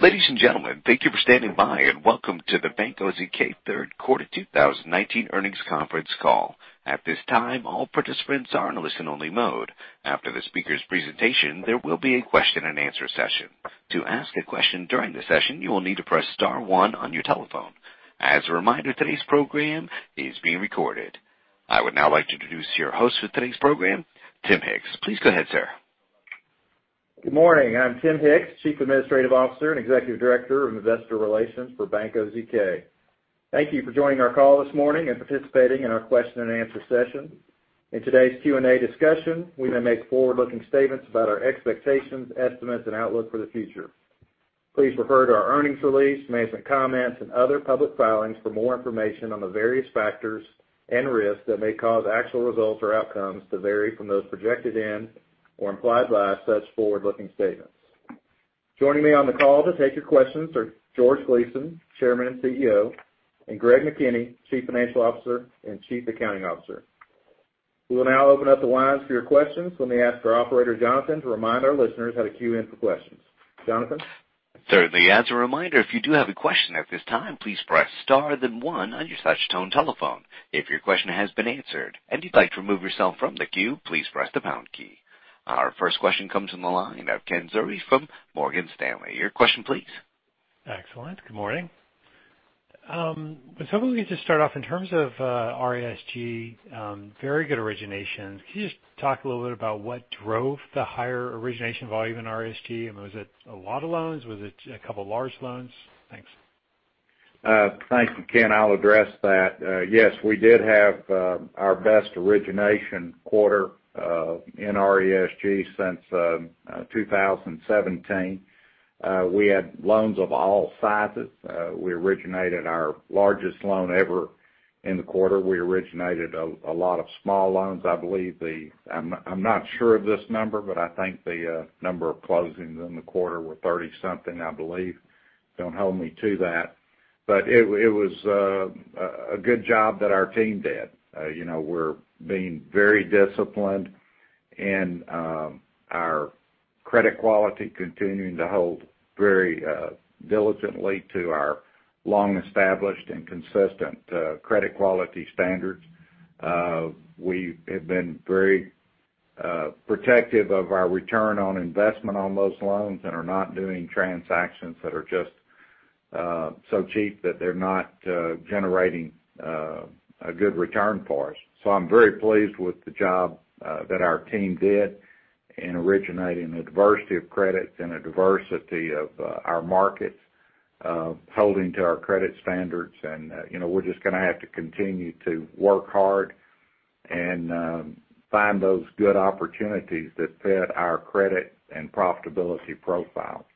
Ladies and gentlemen, thank you for standing by, and welcome to the Bank OZK Third Quarter 2019 earnings conference call. At this time, all participants are in a listen-only mode. After the speakers' presentation, there will be a question and answer session. To ask a question during the session, you will need to press star one on your telephone. As a reminder, today's program is being recorded. I would now like to introduce your host for today's program, Tim Hicks. Please go ahead, sir. Good morning. I'm Tim Hicks, Chief Administrative Officer and Executive Director of Investor Relations for Bank OZK. Thank you for joining our call this morning and participating in our question and answer session. In today's Q&A discussion, we may make forward-looking statements about our expectations, estimates, and outlook for the future. Please refer to our earnings release, management comments, and other public filings for more information on the various factors and risks that may cause actual results or outcomes to vary from those projected in or implied by such forward-looking statements. Joining me on the call to take your questions are George Gleason, Chairman and CEO, and Greg McKinney, Chief Financial Officer and Chief Accounting Officer. We will now open up the lines for your questions. Let me ask our operator, Jonathan, to remind our listeners how to queue in for questions. Jonathan? Certainly. As a reminder, if you do have a question at this time, please press star, then one on your touchtone telephone. If your question has been answered and you'd like to remove yourself from the queue, please press the pound key. Our first question comes from the line of Ken Zerbe from Morgan Stanley. Your question please. Excellent. Good morning. I was hoping we could just start off in terms of RESG, very good originations. Can you just talk a little bit about what drove the higher origination volume in RESG, and was it a lot of loans? Was it a couple large loans? Thanks. Thank you, Ken. I'll address that. Yes, we did have our best origination quarter in RESG since 2017. We had loans of all sizes. We originated our largest loan ever in the quarter. We originated a lot of small loans. I'm not sure of this number, but I think the number of closings in the quarter were 30-something, I believe. Don't hold me to that. It was a good job that our team did. We're being very disciplined and our credit quality continuing to hold very diligently to our long-established and consistent credit quality standards. We have been very protective of our return on investment on those loans and are not doing transactions that are just so cheap that they're not generating a good return for us. I'm very pleased with the job that our team did in originating a diversity of credits and a diversity of our markets, holding to our credit standards. We're just going to have to continue to work hard and find those good opportunities that fit our credit and profitability profile.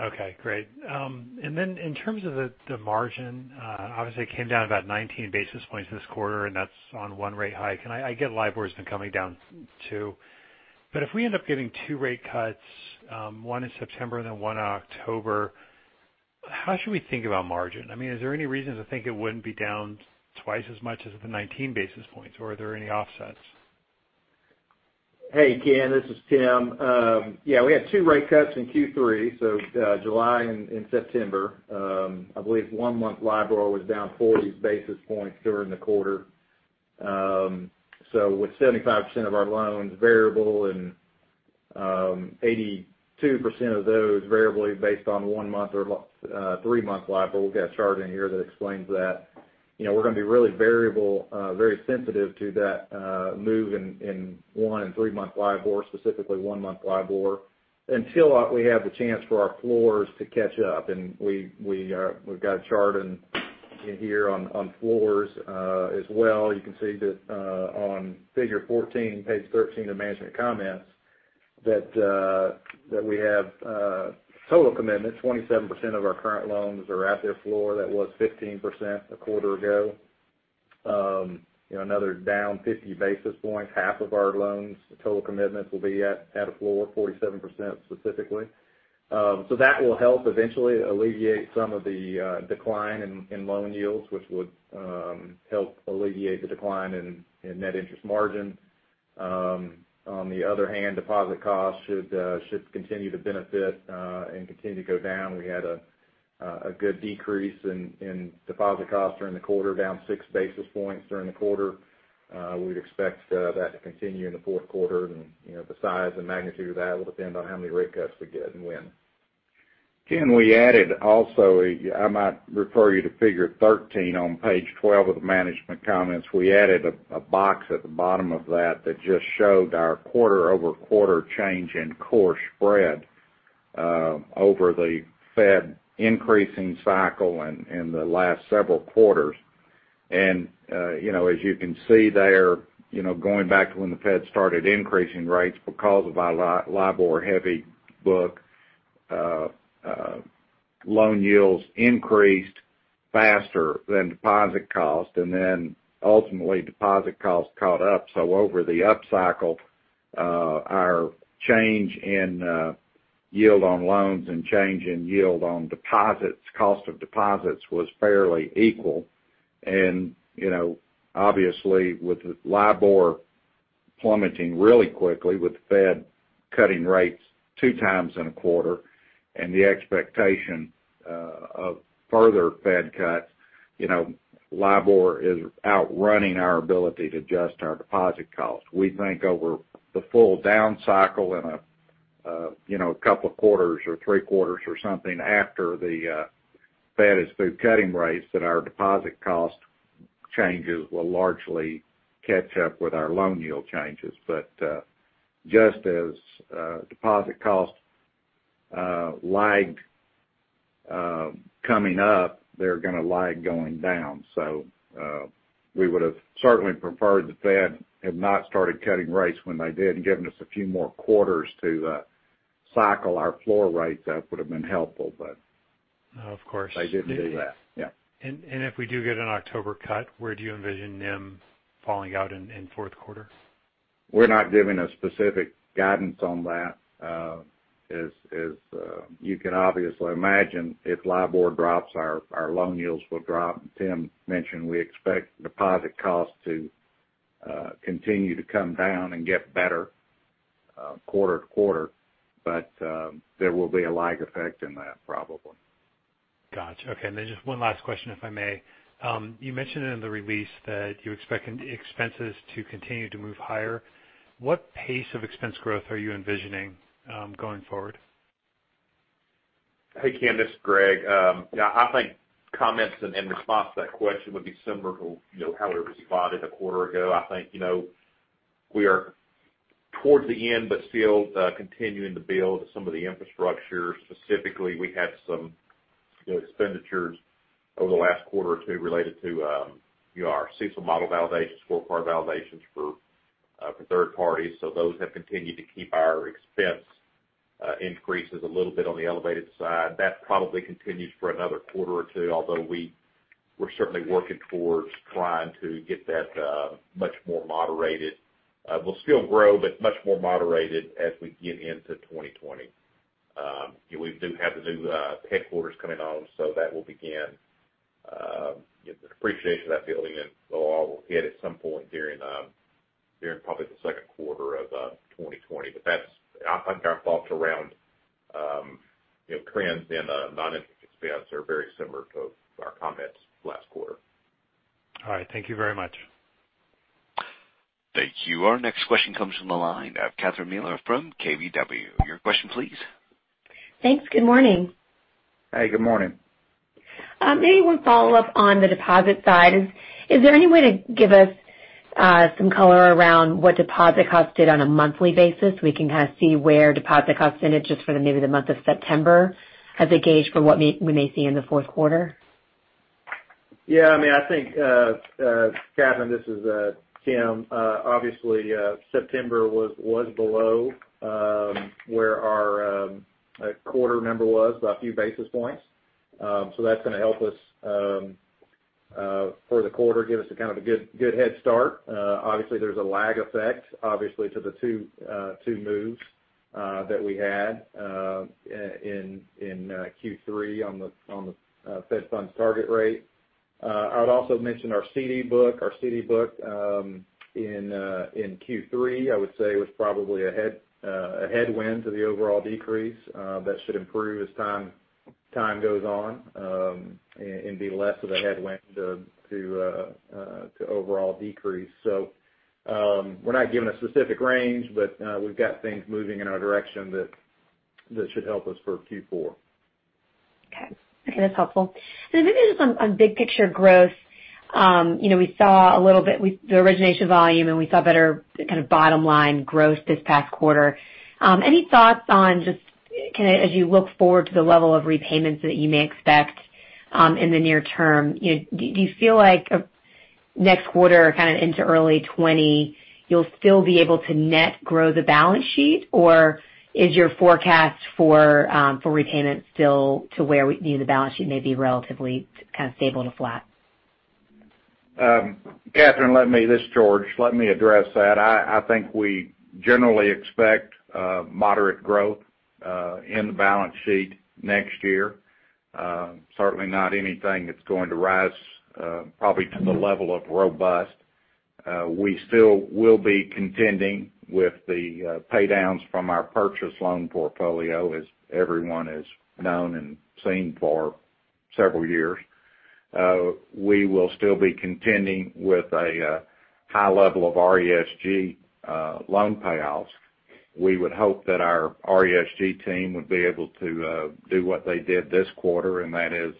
Okay, great. In terms of the margin, obviously it came down about 19 basis points this quarter, and that's on one rate hike. I get LIBOR has been coming down, too. If we end up getting two rate cuts, one in September, then one in October, how should we think about margin? Is there any reason to think it wouldn't be down twice as much as the 19 basis points, or are there any offsets? Hey, Ken, this is Tim. Yeah, we had two rate cuts in Q3, July and September. I believe one-month LIBOR was down 40 basis points during the quarter. With 75% of our loans variable and 82% of those variably based on one-month or three-month LIBOR, we've got a chart in here that explains that. We're going to be really variable, very sensitive to that move in one- and three-month LIBOR, specifically one-month LIBOR, until we have the chance for our floors to catch up. We've got a chart in here on floors as well. You can see that on figure 14, page 13 of management comments, that we have total commitments, 27% of our current loans are at their floor. That was 15% a quarter ago. Another down 50 basis points, half of our loans, total commitments will be at a floor, 47% specifically. That will help eventually alleviate some of the decline in loan yields, which would help alleviate the decline in net interest margin. The other hand, deposit costs should continue to benefit and continue to go down. We had a good decrease in deposit costs during the quarter, down six basis points during the quarter. We'd expect that to continue in the fourth quarter. The size and magnitude of that will depend on how many rate cuts we get and when. Ken, we added also, I might refer you to figure 13 on page 12 of the management comments. We added a box at the bottom of that that just showed our quarter-over-quarter change in core spread over the Fed increasing cycle in the last several quarters. As you can see there, going back to when the Fed started increasing rates because of our LIBOR-heavy book, loan yields increased faster than deposit cost, and then ultimately deposit cost caught up. Over the upcycle, our change in yield on loans and change in yield on deposits, cost of deposits, was fairly equal. Obviously with LIBOR plummeting really quickly with the Fed cutting rates two times in a quarter and the expectation of further Fed cuts. LIBOR is outrunning our ability to adjust our deposit cost. We think over the full down cycle in a couple of quarters or three quarters or something after the Fed is through cutting rates, that our deposit cost changes will largely catch up with our loan yield changes. Just as deposit cost lagged coming up, they're going to lag going down. We would have certainly preferred the Fed have not started cutting rates when they did and given us a few more quarters to cycle our floor rates up would've been helpful. Of course. they didn't do that. Yeah. If we do get an October cut, where do you envision NIM falling out in fourth quarter? We're not giving a specific guidance on that. As you can obviously imagine, if LIBOR drops, our loan yields will drop, and Tim mentioned we expect deposit costs to continue to come down and get better quarter to quarter. There will be a lag effect in that, probably. Got you. Okay, just one last question, if I may. You mentioned in the release that you're expecting expenses to continue to move higher. What pace of expense growth are you envisioning going forward? Hey, Ken, this is Greg. I think comments and response to that question would be similar to how we responded a quarter ago. I think we are towards the end, but still continuing to build some of the infrastructure. Specifically, we had some expenditures over the last quarter or two related to our CECL model validation, score card validations for third parties. Those have continued to keep our expense increases a little bit on the elevated side. That probably continues for another quarter or two, although we're certainly working towards trying to get that much more moderated. We'll still grow, but much more moderated as we get into 2020. We do have the new headquarters coming on, so that will begin the depreciation of that building, and so all will hit at some point during probably the second quarter of 2020. Our thoughts around trends in non-interest expense are very similar to our comments last quarter. All right. Thank you very much. Thank you. Our next question comes from the line of Catherine Mealor from KBW. Your question, please. Thanks. Good morning. Hey, good morning. Maybe one follow-up on the deposit side. Is there any way to give us some color around what deposit costs did on a monthly basis? We can kind of see where deposit costs ended just for maybe the month of September as a gauge for what we may see in the fourth quarter. Yeah. I think, Catherine, this is Tim. Obviously, September was below where our quarter number was by a few basis points. That's going to help us for the quarter, give us a kind of a good head start. Obviously, there's a lag effect, obviously, to the two moves that we had in Q3 on the Fed funds target rate. I would also mention our CD book. Our CD book in Q3, I would say, was probably a headwind to the overall decrease. That should improve as time goes on and be less of a headwind to overall decrease. We're not giving a specific range, but we've got things moving in our direction that should help us for Q4. Okay. That's helpful. Maybe just on big picture growth. We saw a little bit with the origination volume, and we saw better kind of bottom-line growth this past quarter. Any thoughts on just as you look forward to the level of repayments that you may expect in the near term, do you feel like next quarter kind of into early 2020, you'll still be able to net grow the balance sheet? Or is your forecast for repayment still to where we view the balance sheet may be relatively kind of stable to flat? Catherine, this is George. Let me address that. I think we generally expect moderate growth in the balance sheet next year. Certainly not anything that's going to rise probably to the level of robust. We still will be contending with the paydowns from our purchase loan portfolio, as everyone has known and seen for several years. We will still be contending with a high level of RESG loan payoffs. We would hope that our RESG team would be able to do what they did this quarter, and that is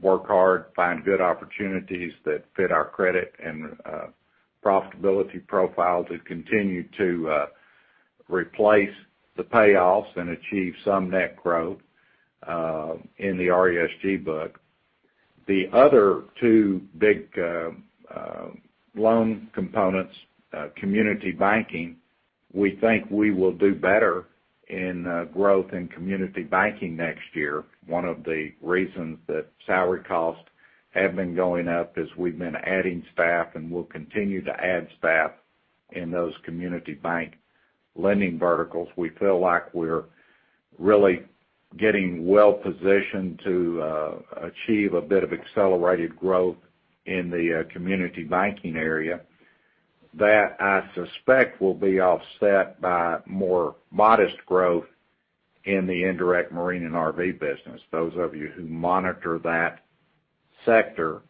work hard, find good opportunities that fit our credit and profitability profile to continue to replace the payoffs and achieve some net growth in the RESG book. The other two big loan components, community banking, we think we will do better in growth in community banking next year. One of the reasons that salary costs have been going up is we've been adding staff, and we'll continue to add staff in those community bank lending verticals. We feel like we're really getting well-positioned to achieve a bit of accelerated growth in the community banking area. That, I suspect, will be offset by more modest growth in the indirect marine and RV business. Those of you who monitor that sector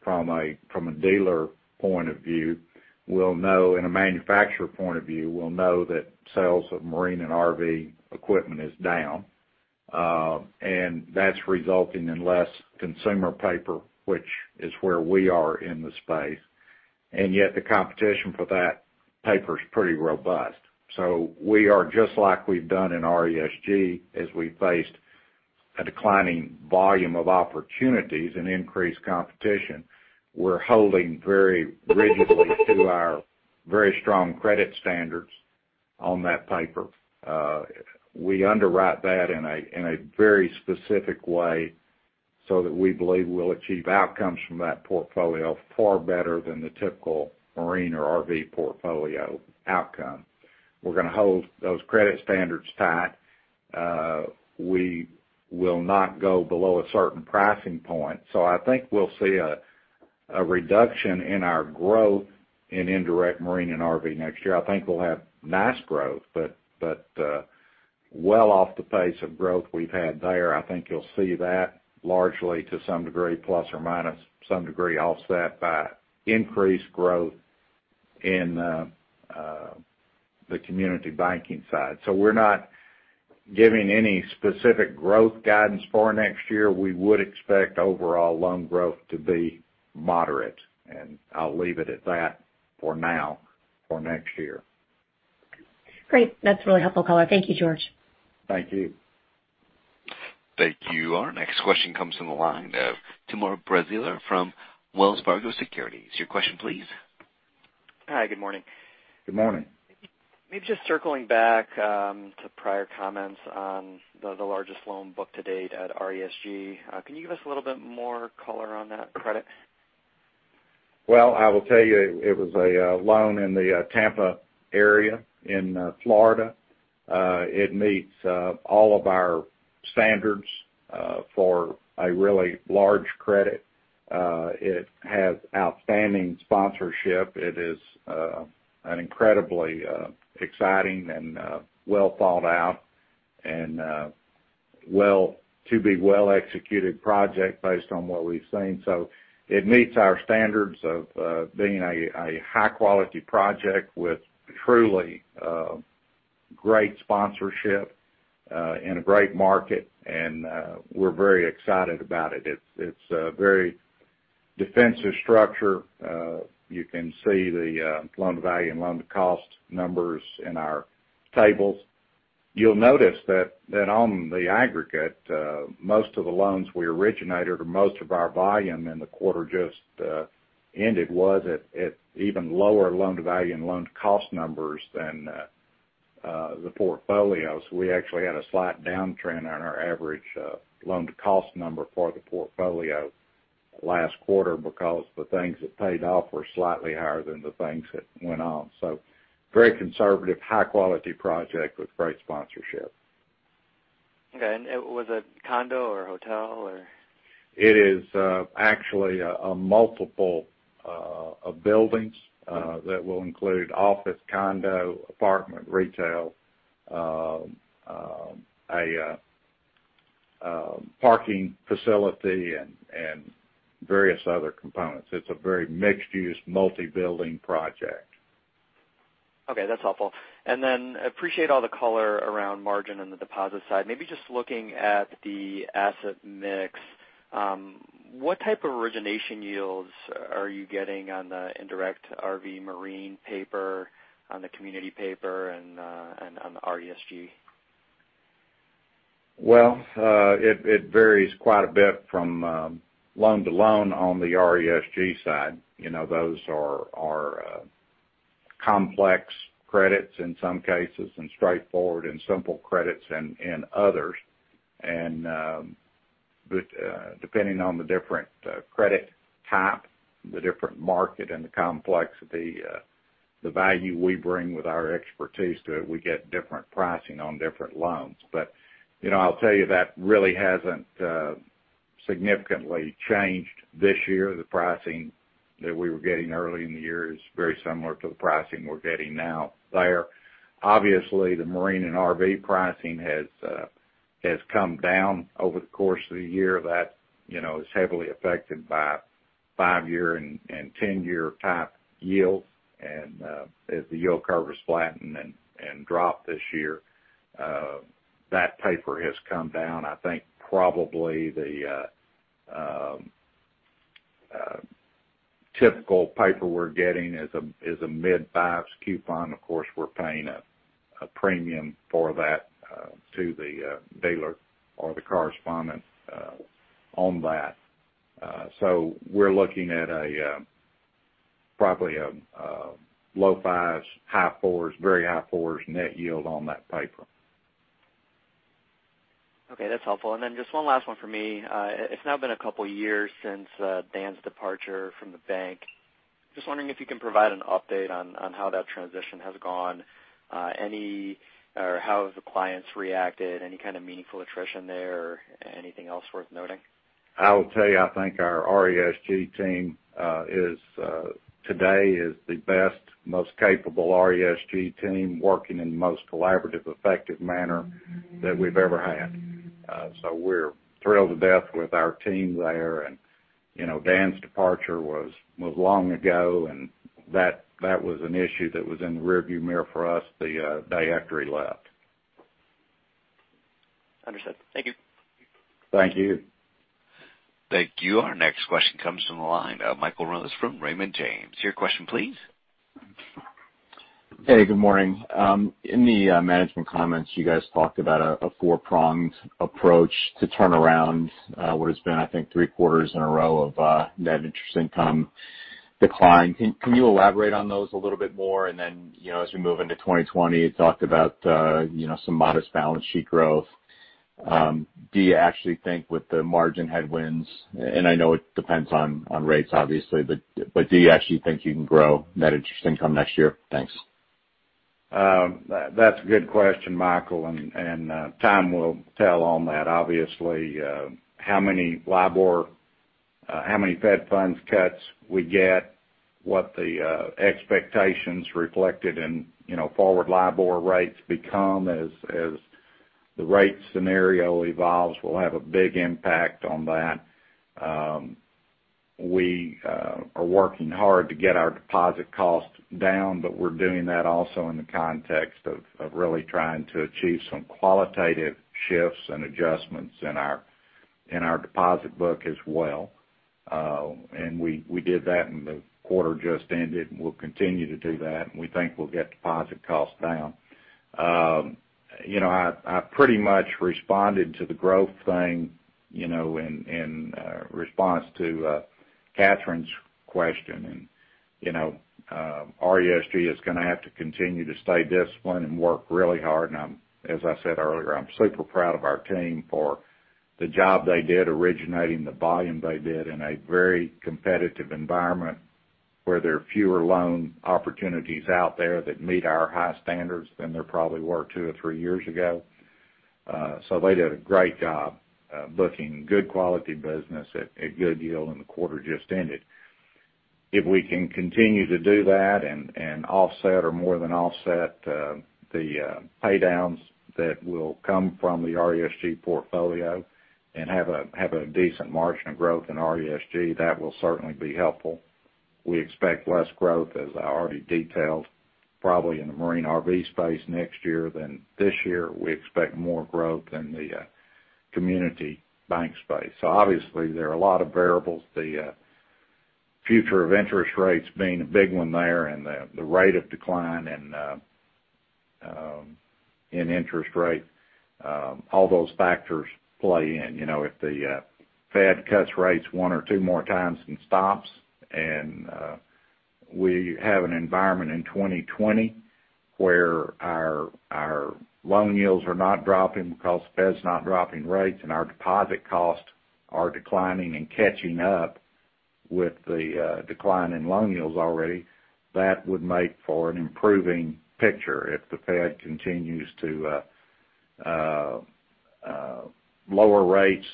from a dealer point of view and a manufacturer point of view, will know that sales of marine and RV equipment is down. That's resulting in less consumer paper, which is where we are in the space. Yet the competition for that paper is pretty robust. We are, just like we've done in RESG, as we faced a declining volume of opportunities and increased competition, we're holding very rigidly to our very strong credit standards on that paper. We underwrite that in a very specific way, so that we believe we'll achieve outcomes from that portfolio far better than the typical marine or RV portfolio outcome. We're going to hold those credit standards tight. We will not go below a certain pricing point. I think we'll see a reduction in our growth in indirect marine and RV next year. I think we'll have nice growth, but well off the pace of growth we've had there. I think you'll see that largely to some degree, plus or minus some degree, offset by increased growth in the community banking side. We're not giving any specific growth guidance for next year. We would expect overall loan growth to be moderate, and I'll leave it at that for now, for next year. Great. That's really helpful color. Thank you, George. Thank you. Thank you. Our next question comes from the line of Timur Braziler from Wells Fargo Securities. Your question, please. Hi, good morning. Good morning. Maybe just circling back to prior comments on the largest loan book to date at RESG. Can you give us a little bit more color on that credit? Well, I will tell you, it was a loan in the Tampa area in Florida. It meets all of our standards for a really large credit. It has outstanding sponsorship. It is an incredibly exciting and well-thought-out, and to-be well-executed project based on what we've seen. It meets our standards of being a high-quality project with truly great sponsorship in a great market, and we're very excited about it. It's a very defensive structure. You can see the loan-to-value and loan-to-cost numbers in our tables. You'll notice that on the aggregate, most of the loans we originated, or most of our volume in the quarter just ended, was at even lower loan-to-value and loan-to-cost numbers than the portfolio. We actually had a slight downtrend on our average loan-to-cost number for the portfolio last quarter because the things that paid off were slightly higher than the things that went on. Very conservative, high-quality project with great sponsorship. Okay. Was it a condo or a hotel, or? It is actually a multiple of buildings that will include office, condo, apartment, retail, a parking facility, and various other components. It's a very mixed-use, multi-building project. Okay, that's helpful. Appreciate all the color around margin and the deposit side. Maybe just looking at the asset mix. What type of origination yields are you getting on the indirect RV, marine paper, on the community paper, and on the RESG? Well, it varies quite a bit from loan to loan on the RESG side. Those are complex credits in some cases, and straightforward and simple credits in others. Depending on the different credit type, the different market, and the complexity, the value we bring with our expertise to it, we get different pricing on different loans. But I'll tell you, that really hasn't significantly changed this year. The pricing that we were getting early in the year is very similar to the pricing we're getting now there. Obviously, the marine and RV pricing has come down over the course of the year. That is heavily affected by five-year and 10-year type yields. As the yield curve has flattened and dropped this year, that paper has come down. I think probably the typical paper we're getting is a mid-fives coupon. Of course, we're paying a premium for that to the dealer or the correspondent on that. We're looking at probably a low fives, high fours, very high fours net yield on that paper. Okay, that's helpful. Just one last one for me. It's now been a couple years since Dan's departure from the bank. Just wondering if you can provide an update on how that transition has gone. How have the clients reacted? Any kind of meaningful attrition there, or anything else worth noting? I will tell you, I think our RESG team today is the best, most capable RESG team working in the most collaborative, effective manner that we've ever had. We're thrilled to death with our team there. Dan's departure was long ago, and that was an issue that was in the rear view mirror for us the day after he left. Understood. Thank you. Thank you. Thank you. Our next question comes from the line of Michael Rose from Raymond James. Your question please. Hey, good morning. In the management comments, you guys talked about a four-pronged approach to turn around what has been, I think, 3 quarters in a row of net interest income decline. Then, as we move into 2020, you talked about some modest balance sheet growth. Do you actually think with the margin headwinds, and I know it depends on rates, obviously, but do you actually think you can grow net interest income next year? Thanks. That's a good question, Michael, and time will tell on that. How many Fed funds cuts we get, what the expectations reflected in forward LIBOR rates become as the rate scenario evolves will have a big impact on that. We are working hard to get our deposit costs down, we're doing that also in the context of really trying to achieve some qualitative shifts and adjustments in our deposit book as well. We did that in the quarter just ended, we'll continue to do that, we think we'll get deposit costs down. I pretty much responded to the growth thing in response to Catherine's question. RESG is going to have to continue to stay disciplined and work really hard, and as I said earlier, I'm super proud of our team for the job they did originating the volume they did in a very competitive environment where there are fewer loan opportunities out there that meet our high standards than there probably were two or three years ago. They did a great job booking good quality business at a good yield in the quarter just ended. If we can continue to do that and offset, or more than offset, the pay-downs that will come from the RESG portfolio and have a decent margin of growth in RESG, that will certainly be helpful. We expect less growth, as I already detailed, probably in the marine RV space next year than this year. We expect more growth in the community bank space. Obviously there are a lot of variables, the future of interest rates being a big one there, and the rate of decline in interest rate. All those factors play in. If the Fed cuts rates one or two more times and stops, and we have an environment in 2020 where our loan yields are not dropping because the Fed's not dropping rates and our deposit costs are declining and catching up with the decline in loan yields already, that would make for an improving picture. If the Fed continues to lower rates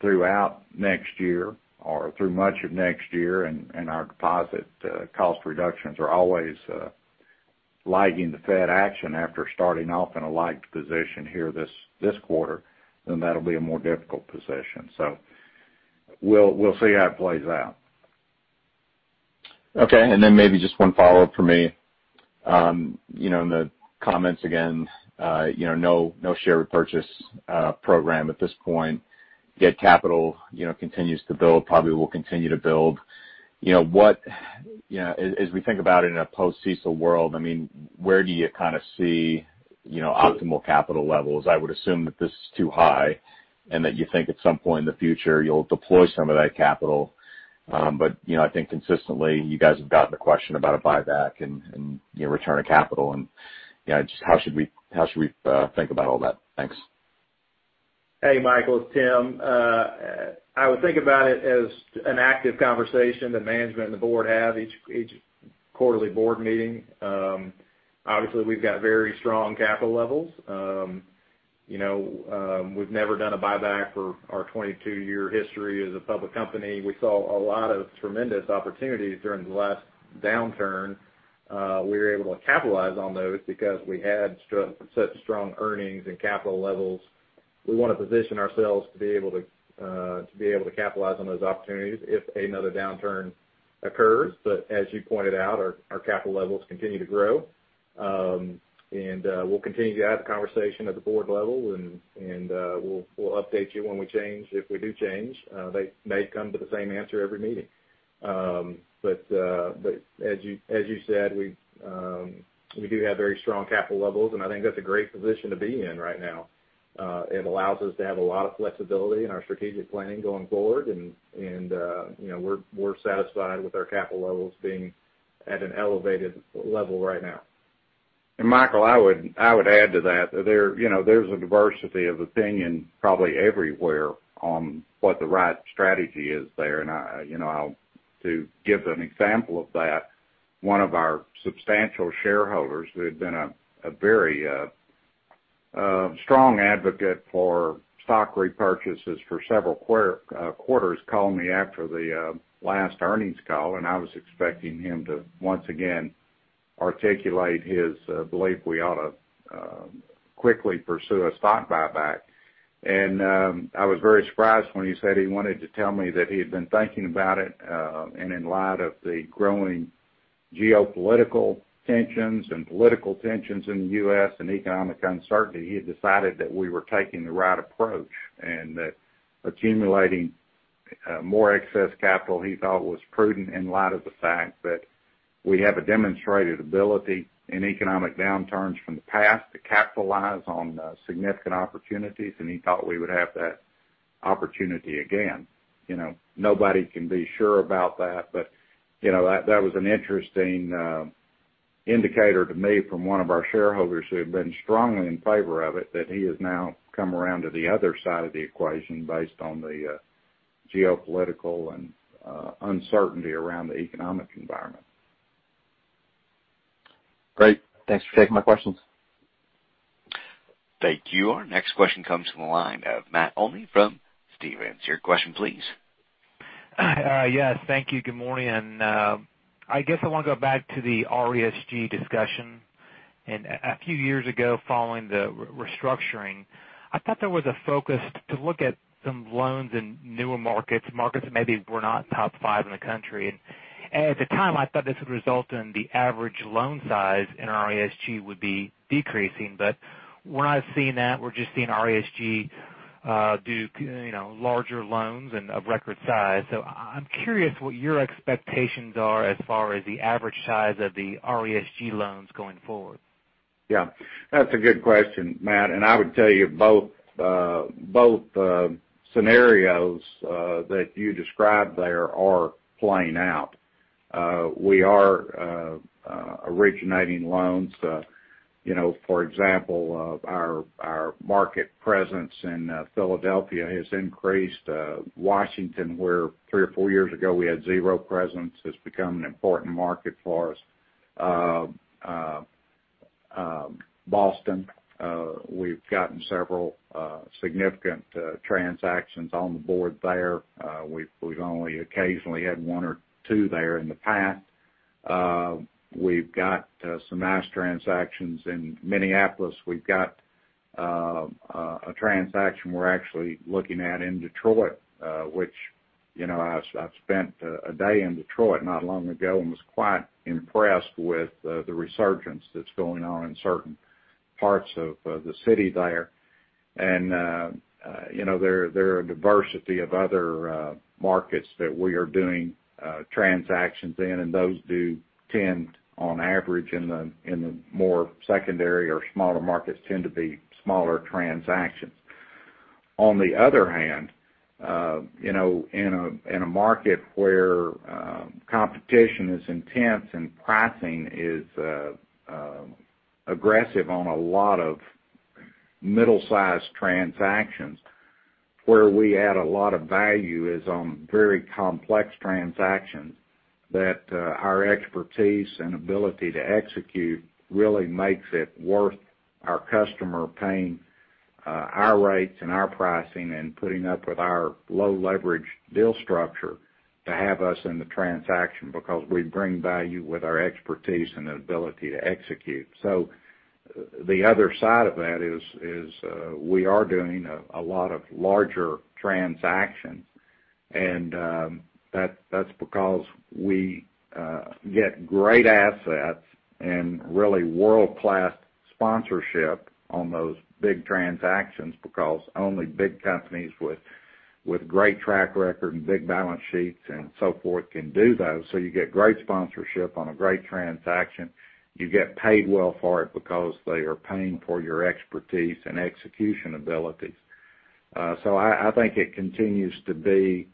throughout next year, or through much of next year, and our deposit cost reductions are always lagging the Fed action after starting off in a light position here this quarter, that'll be a more difficult position. We'll see how it plays out. Okay, maybe just one follow-up from me. In the comments again, no share repurchase program at this point, yet capital continues to build, probably will continue to build. As we think about it in a post-CECL world, where do you see optimal capital levels? I would assume that this is too high, and that you think at some point in the future you'll deploy some of that capital. I think consistently, you guys have gotten the question about a buyback and return of capital, and just how should we think about all that? Thanks. Hey, Michael, it's Tim. I would think about it as an active conversation that management and the board have each quarterly board meeting. Obviously, we've got very strong capital levels. We've never done a buyback for our 22-year history as a public company. We saw a lot of tremendous opportunities during the last downturn. We were able to capitalize on those because we had such strong earnings and capital levels. We want to position ourselves to be able to capitalize on those opportunities if another downturn occurs. As you pointed out, our capital levels continue to grow. We'll continue to have the conversation at the board level, and we'll update you when we change, if we do change. They may come to the same answer every meeting. As you said, we do have very strong capital levels, and I think that's a great position to be in right now. It allows us to have a lot of flexibility in our strategic planning going forward, and we're satisfied with our capital levels being at an elevated level right now. Michael, I would add to that. There's a diversity of opinion probably everywhere on what the right strategy is there. To give an example of that, one of our substantial shareholders, who had been a very strong advocate for stock repurchases for several quarters, called me after the last earnings call, and I was expecting him to, once again, articulate his belief we ought to quickly pursue a stock buyback. I was very surprised when he said he wanted to tell me that he had been thinking about it, and in light of the growing geopolitical tensions and political tensions in the U.S., and economic uncertainty, he had decided that we were taking the right approach, and that accumulating more excess capital, he thought, was prudent in light of the fact that we have a demonstrated ability in economic downturns from the past to capitalize on significant opportunities, and he thought we would have that opportunity again. Nobody can be sure about that, but that was an interesting indicator to me from one of our shareholders who had been strongly in favor of it, that he has now come around to the other side of the equation based on the geopolitical and uncertainty around the economic environment. Great. Thanks for taking my questions. Thank you. Our next question comes from the line of Matt Olney from Stephens. Your question please. Yes, thank you. Good morning. I guess I want to go back to the RESG discussion. A few years ago, following the restructuring, I thought there was a focus to look at some loans in newer markets that maybe were not top five in the country. At the time, I thought this would result in the average loan size in our RESG would be decreasing. We're not seeing that. We're just seeing RESG do larger loans and of record size. I'm curious what your expectations are as far as the average size of the RESG loans going forward. Yeah. That's a good question, Matt, and I would tell you both scenarios that you described there are playing out. We are originating loans. For example, our market presence in Philadelphia has increased. Washington, where three or four years ago we had zero presence, has become an important market for us. Boston, we've gotten several significant transactions on the board there. We've only occasionally had one or two there in the past. We've got some nice transactions in Minneapolis. We've got a transaction we're actually looking at in Detroit. I've spent a day in Detroit not long ago and was quite impressed with the resurgence that's going on in certain parts of the city there. There are a diversity of other markets that we are doing transactions in, and those do tend, on average, in the more secondary or smaller markets, tend to be smaller transactions. On the other hand, in a market where competition is intense and pricing is aggressive on a lot of middle-sized transactions, where we add a lot of value is on very complex transactions that our expertise and ability to execute really makes it worth our customer paying our rates and our pricing and putting up with our low leverage deal structure to have us in the transaction because we bring value with our expertise and ability to execute. The other side of that is, we are doing a lot of larger transactions, and that's because we get great assets and really world-class sponsorship on those big transactions, because only big companies with great track record and big balance sheets and so forth can do those. You get great sponsorship on a great transaction. You get paid well for it because they are paying for your expertise and execution abilities. I think it continues to be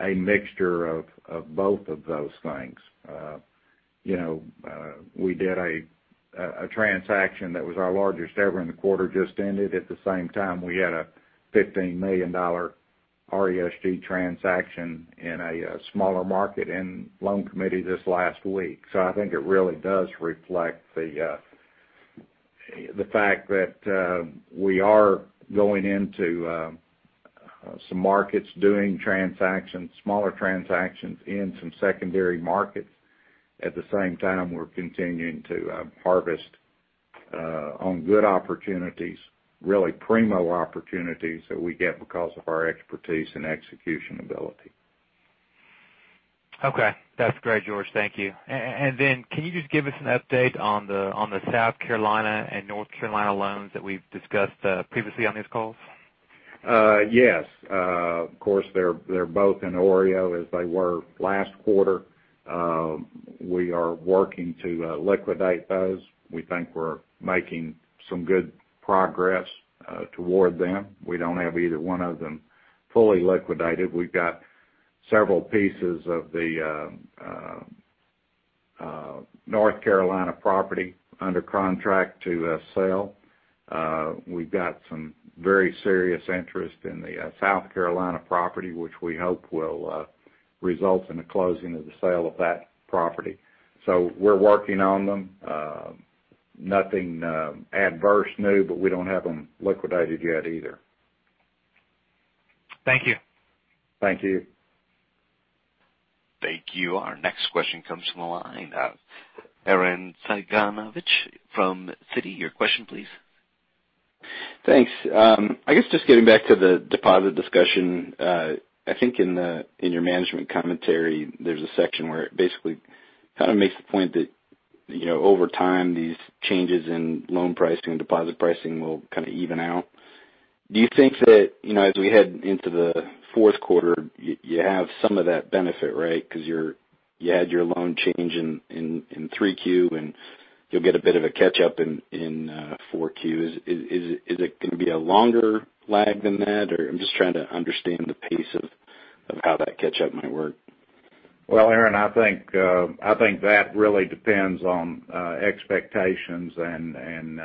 a mixture of both of those things. We did a transaction that was our largest ever in the quarter just ended. At the same time, we had a $15 million RESG transaction in a smaller market in loan committee this last week. I think it really does reflect the fact that we are going into some markets doing transactions, smaller transactions in some secondary markets. At the same time, we're continuing to harvest on good opportunities, really primo opportunities that we get because of our expertise and execution ability. Okay. That's great, George. Thank you. Can you just give us an update on the South Carolina and North Carolina loans that we've discussed previously on these calls? Yes. Of course, they're both in OREO, as they were last quarter. We are working to liquidate those. We think we're making some good progress toward them. We don't have either one of them fully liquidated. We've got several pieces of the North Carolina property under contract to sell. We've got some very serious interest in the South Carolina property, which we hope will result in the closing of the sale of that property. We're working on them. Nothing adverse new, we don't have them liquidated yet either. Thank you. Thank you. Thank you. Our next question comes from the line of Arren Cyganovich from Citi. Your question, please. Thanks. I guess just getting back to the deposit discussion. I think in your management commentary, there's a section where it basically kind of makes the point that over time, these changes in loan pricing, deposit pricing will kind of even out. Do you think that, as we head into the fourth quarter, you have some of that benefit, right? You had your loan change in three Q, and you'll get a bit of a catch-up in four Q. Is it going to be a longer lag than that, or I'm just trying to understand the pace of how that catch-up might work. Well, Arren, I think that really depends on expectations and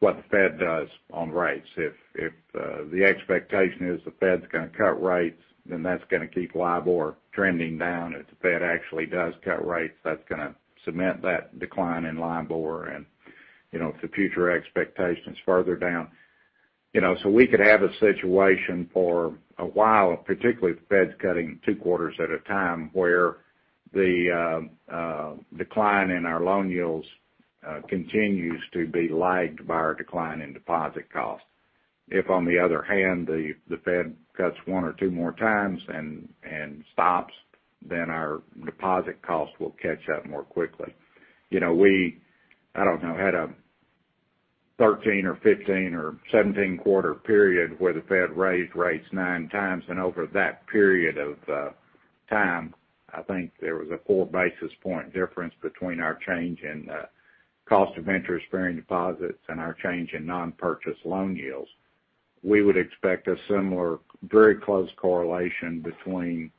what the Fed does on rates. If the expectation is the Fed's going to cut rates, that's going to keep LIBOR trending down. If the Fed actually does cut rates, that's going to cement that decline in LIBOR, and if the future expectation is further down. We could have a situation for a while, particularly if the Fed's cutting two quarters at a time, where the decline in our loan yields continues to be lagged by our decline in deposit costs. If, on the other hand, the Fed cuts one or two more times and stops, our deposit cost will catch up more quickly. We, I don't know, had a 13 or 15 or 17-quarter period where the Fed raised rates nine times. Over that period of time, I think there was a four-basis-point difference between our change in cost of interest-bearing deposits and our change in non-purchase loan yields. We would expect a similar, very close correlation between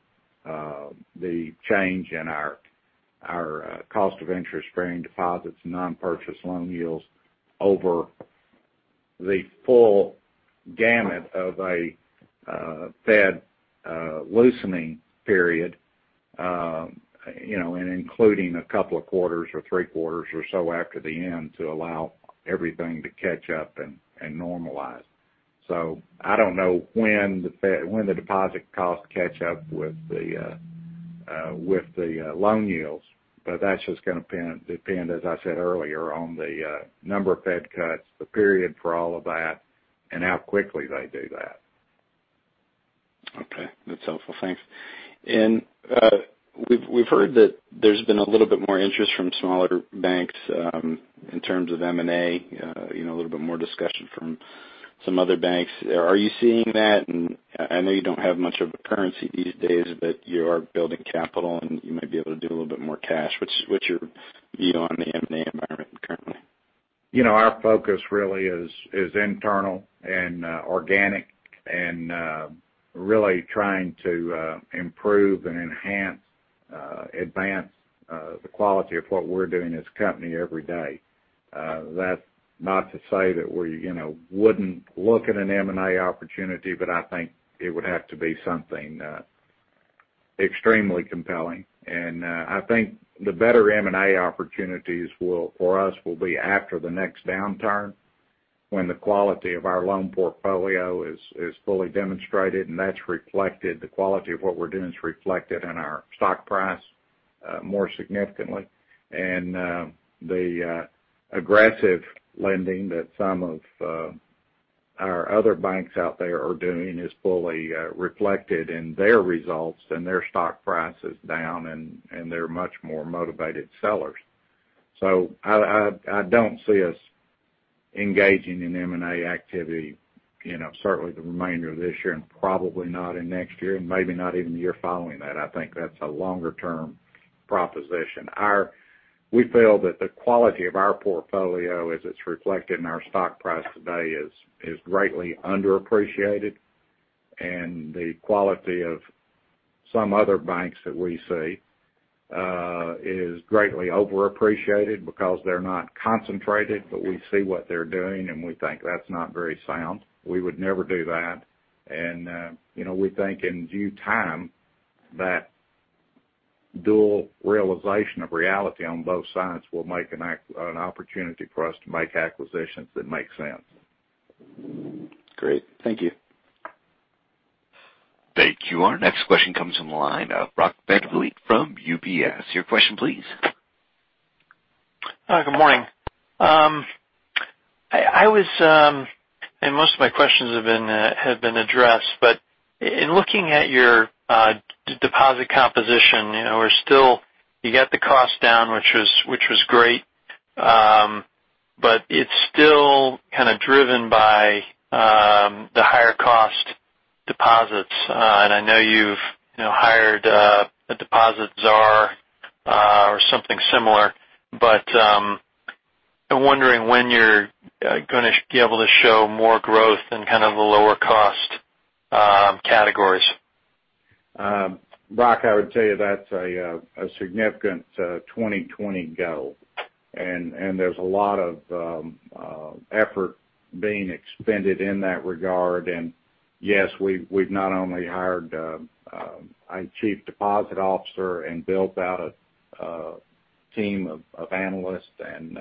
the change in our cost of interest-bearing deposits and non-purchase loan yields over the full gamut of a Fed loosening period, and including a couple of quarters or three quarters or so after the end to allow everything to catch up and normalize. I don't know when the deposit costs catch up with the loan yields. That's just going to depend, as I said earlier, on the number of Fed cuts, the period for all of that, and how quickly they do that. Okay. That's helpful. Thanks. We've heard that there's been a little bit more interest from smaller banks in terms of M&A, a little bit more discussion from some other banks. Are you seeing that? I know you don't have much of a currency these days, but you are building capital, and you might be able to do a little bit more cash. What's your view on the M&A environment currently? Our focus really is internal and organic and really trying to improve and enhance, advance the quality of what we're doing as a company every day. That's not to say that we wouldn't look at an M&A opportunity. I think it would have to be something extremely compelling. I think the better M&A opportunities for us will be after the next downturn, when the quality of our loan portfolio is fully demonstrated and that's reflected, the quality of what we're doing is reflected in our stock price more significantly. The aggressive lending that some of our other banks out there are doing is fully reflected in their results and their stock price is down and they're much more motivated sellers. I don't see us engaging in M&A activity, certainly the remainder of this year and probably not in next year and maybe not even the year following that. I think that's a longer-term proposition. We feel that the quality of our portfolio as it's reflected in our stock price today is greatly underappreciated, and the quality of some other banks that we see is greatly overappreciated because they're not concentrated, but we see what they're doing, and we think that's not very sound. We would never do that. We think in due time, that dual realization of reality on both sides will make an opportunity for us to make acquisitions that make sense. Great. Thank you. Thank you. Our next question comes from the line of Brock Begley from UBS. Your question, please. Hi, good morning. Most of my questions have been addressed, but in looking at your deposit composition, you got the cost down, which was great. But it's still kind of driven by the higher cost deposits. And I know you've hired a deposit czar or something similar. But I'm wondering when you're going to be able to show more growth in kind of the lower cost categories. Brock, I would tell you that's a significant 2020 goal. There's a lot of effort being expended in that regard. Yes, we've not only hired a Chief Deposit Officer and built out a team of analysts and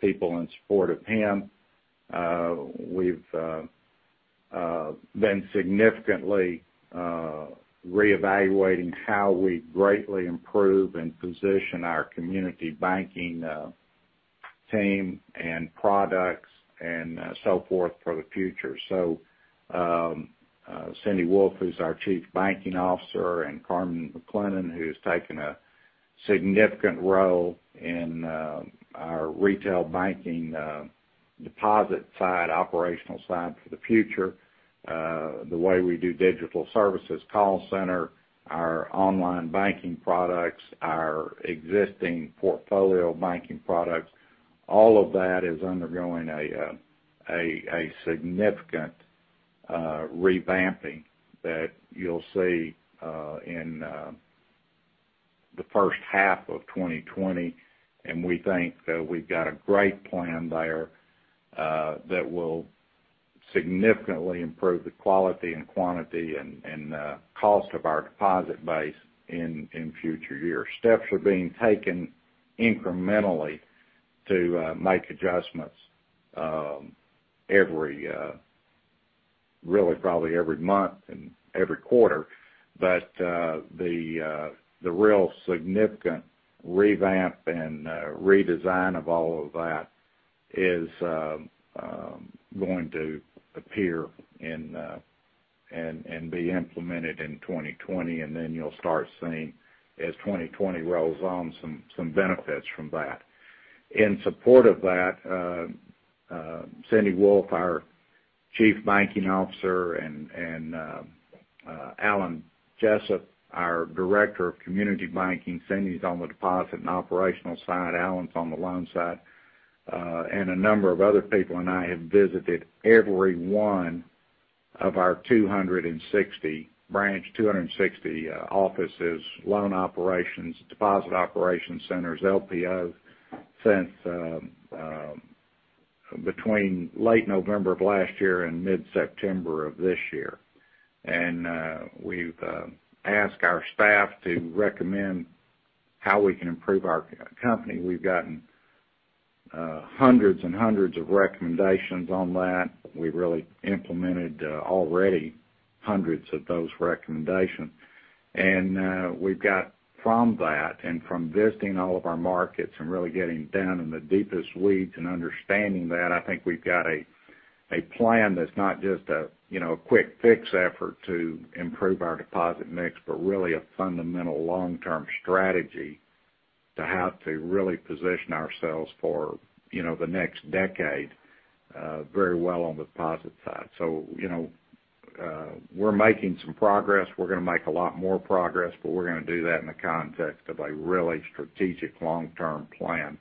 people in support of him, we've been significantly reevaluating how we greatly improve and position our community banking team and products, and so forth for the future. Cindy Wolfe, who's our Chief Banking Officer, and Carmen McClennon, who's taken a significant role in our retail banking deposit side, operational side for the future. The way we do digital services, call center, our online banking products, our existing portfolio banking products, all of that is undergoing a significant revamping that you'll see in the first half of 2020. We think that we've got a great plan there that will significantly improve the quality and quantity and cost of our deposit base in future years. Steps are being taken incrementally to make adjustments every quarter. The real significant revamp and redesign of all of that is going to appear and be implemented in 2020. You'll start seeing, as 2020 rolls on, some benefits from that. In support of that, Cindy Wolfe, our Chief Banking Officer, and Alan Jessup, our Director of Community Banking, Cindy's on the deposit and operational side, Alan's on the loan side, and a number of other people and I have visited every one of our 260 branch, 260 offices, loan operations, deposit operations centers, LPOs, between late November of last year and mid-September of this year. We've asked our staff to recommend how we can improve our company. We've gotten hundreds and hundreds of recommendations on that. We really implemented already hundreds of those recommendations. We've got from that and from visiting all of our markets and really getting down in the deepest weeds and understanding that, I think we've got a plan that's not just a quick fix effort to improve our deposit mix, but really a fundamental long-term strategy to how to really position ourselves for the next decade very well on the deposit side. We're making some progress. We're going to make a lot more progress, but we're going to do that in the context of a really strategic long-term plan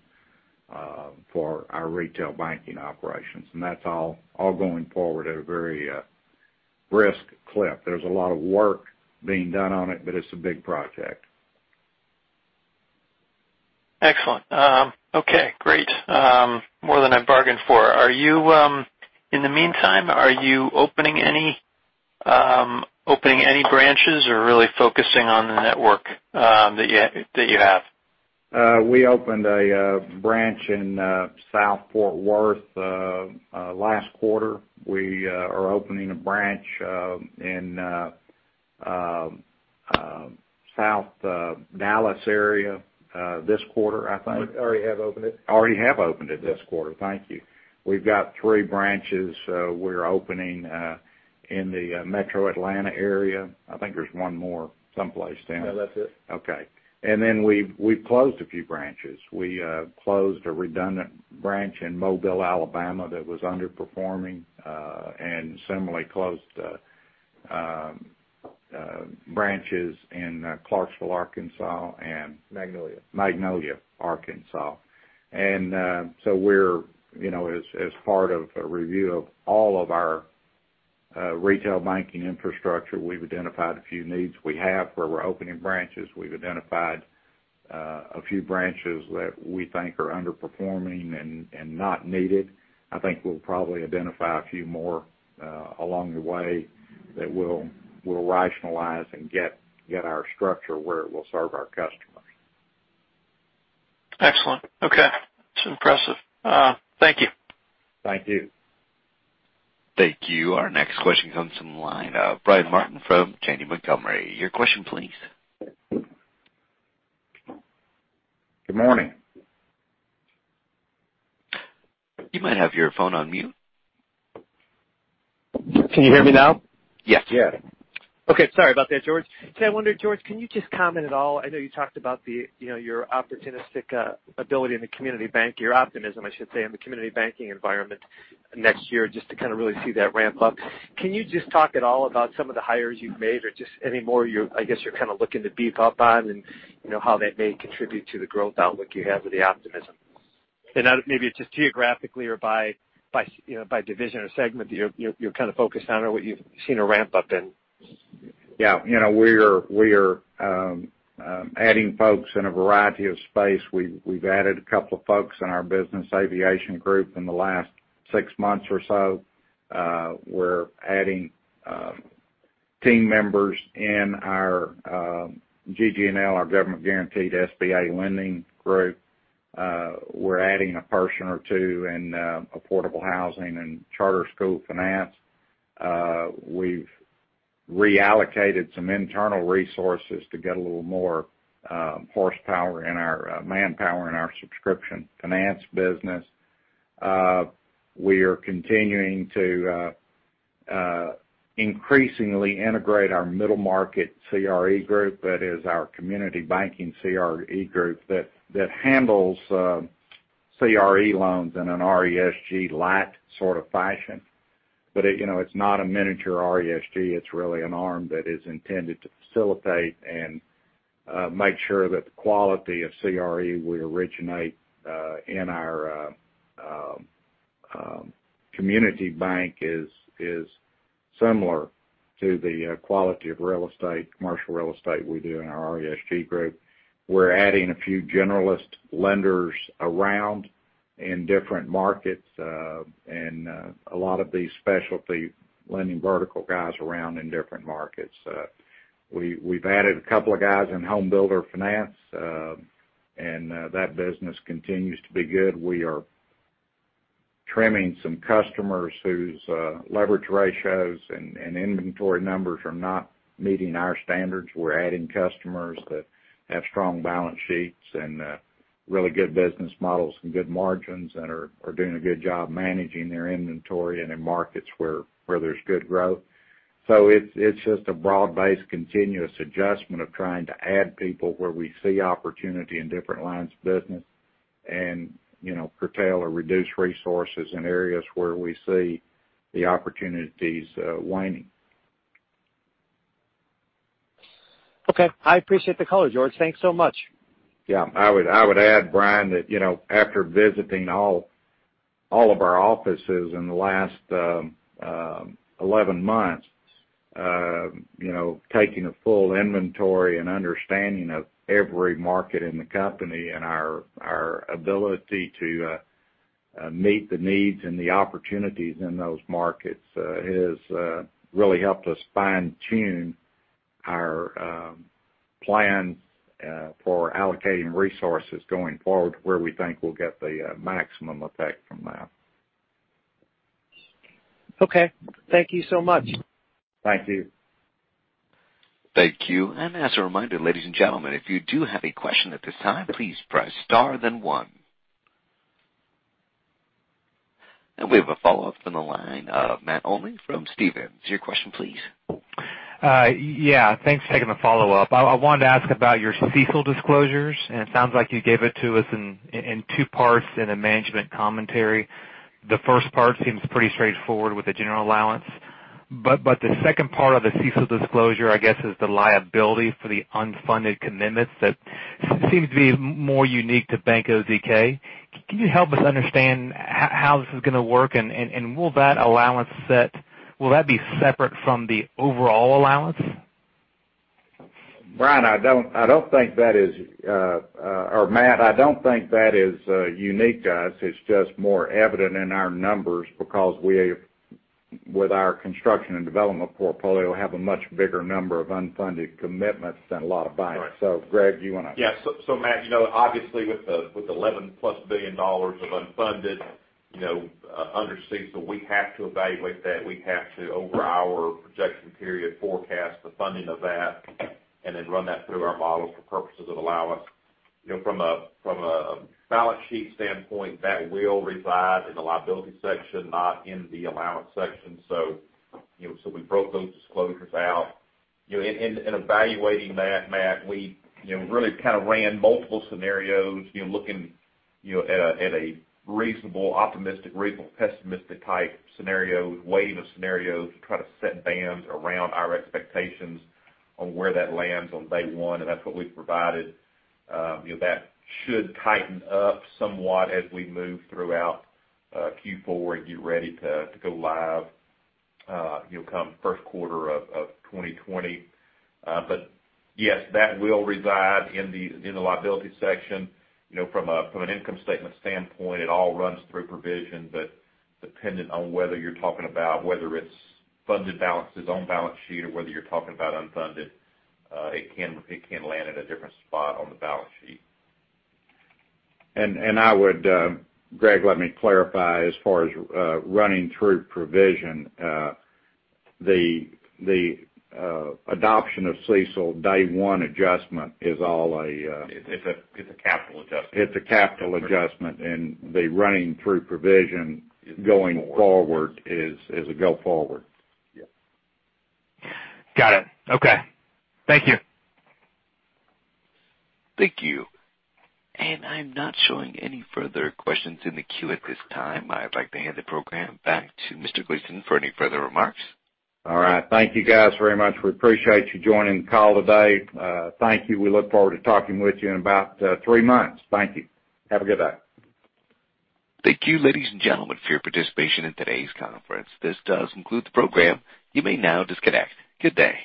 for our retail banking operations. That's all going forward at a very brisk clip. There's a lot of work being done on it, but it's a big project. Excellent. Okay, great. More than I bargained for. In the meantime, are you opening any branches or really focusing on the network that you have? We opened a branch in South Fort Worth last quarter. We are opening a branch in South Dallas area this quarter, I think. We already have opened it. Already have opened it this quarter. Thank you. We've got three branches we're opening in the metro Atlanta area. I think there's one more someplace, Tim. No, that's it. Okay. Then we've closed a few branches. We closed a redundant branch in Mobile, Alabama, that was underperforming, and similarly closed branches in Clarksville, Arkansas. Magnolia Magnolia, Arkansas. As part of a review of all of our retail banking infrastructure, we've identified a few needs we have where we're opening branches. We've identified a few branches that we think are underperforming and not needed. I think we'll probably identify a few more along the way that we'll rationalize and get our structure where it will serve our customers. Excellent. Okay. It's impressive. Thank you. Thank you. Thank you. Our next question comes from the line of Brian Martin from Janney Montgomery Scott. Your question please. Good morning. You might have your phone on mute. Can you hear me now? Yes. Yeah. Okay. Sorry about that, George. I wonder, George, can you just comment at all, I know you talked about your opportunistic ability in the community bank, your optimism, I should say, in the community banking environment next year, just to kind of really see that ramp up. Can you just talk at all about some of the hires you've made or just any more you, I guess you're kind of looking to beef up on and how that may contribute to the growth outlook you have or the optimism? Maybe it's just geographically or by division or segment that you're kind of focused on or what you've seen a ramp up in. Yeah. We are adding folks in a variety of space. We've added a couple of folks in our Business Aviation Group in the last six months or so. We're adding team members in our GGL, our government-guaranteed SBA lending group. We're adding a person or two in affordable housing and charter school finance. We've reallocated some internal resources to get a little more horsepower and manpower in our subscription finance business. We are continuing to increasingly integrate our middle market CRE group. That is our community banking CRE group that handles CRE loans in an RESG-like sort of fashion. It's not a miniature RESG. It's really an arm that is intended to facilitate and make sure that the quality of CRE we originate in our community bank is similar to the quality of commercial real estate we do in our RESG group. We're adding a few generalist lenders around in different markets, and a lot of these specialty lending vertical guys around in different markets. We've added a couple of guys in home builder finance, and that business continues to be good. We are trimming some customers whose leverage ratios and inventory numbers are not meeting our standards. We're adding customers that have strong balance sheets and really good business models and good margins and are doing a good job managing their inventory and in markets where there's good growth. It's just a broad-based, continuous adjustment of trying to add people where we see opportunity in different lines of business and curtail or reduce resources in areas where we see the opportunities waning. Okay. I appreciate the color, George. Thanks so much. Yeah. I would add, Brian, that after visiting all of our offices in the last 11 months, taking a full inventory and understanding of every market in the company and our ability to meet the needs and the opportunities in those markets, has really helped us fine-tune our plans for allocating resources going forward where we think we'll get the maximum effect from that. Okay. Thank you so much. Thank you. Thank you. As a reminder, ladies and gentlemen, if you do have a question at this time, please press star then one. We have a follow-up on the line of Matt Olney from Stephens. Your question, please. Yeah. Thanks for taking the follow-up. I wanted to ask about your CECL disclosures, and it sounds like you gave it to us in two parts in a management commentary. The first part seems pretty straightforward with the general allowance. The second part of the CECL disclosure, I guess, is the liability for the unfunded commitments that seems to be more unique to Bank OZK. Can you help us understand how this is going to work, and will that allowance set, will that be separate from the overall allowance? Matt, I don't think that is unique to us. It's just more evident in our numbers because with our construction and development portfolio, have a much bigger number of unfunded commitments than a lot of banks. Greg, you want to. Yeah. Matt, obviously with the $11-plus billion of unfunded under CECL, we have to evaluate that. We have to, over our projection period, forecast the funding of that and then run that through our models for purposes of allowance. From a balance sheet standpoint, that will reside in the liability section, not in the allowance section. We broke those disclosures out. In evaluating that, Matt, we really kind of ran multiple scenarios, looking at a reasonable optimistic, reasonable pessimistic type scenario, weight of scenarios to try to set bands around our expectations on where that lands on day one, and that's what we've provided. That should tighten up somewhat as we move throughout Q4 and get ready to go live come first quarter of 2020. Yes, that will reside in the liability section. From an income statement standpoint, it all runs through provision, but dependent on whether you're talking about whether it's funded balances on balance sheet or whether you're talking about unfunded, it can land at a different spot on the balance sheet. Greg, let me clarify. As far as running through provision, the adoption of CECL day one adjustment is all. It's a capital adjustment. It's a capital adjustment, and the running through provision going forward is a go forward. Yes. Got it. Okay. Thank you. Thank you. I'm not showing any further questions in the queue at this time. I'd like to hand the program back to George Gleason for any further remarks. All right. Thank you guys very much. We appreciate you joining the call today. Thank you. We look forward to talking with you in about three months. Thank you. Have a good day. Thank you, ladies and gentlemen, for your participation in today's conference. This does conclude the program. You may now disconnect. Good day.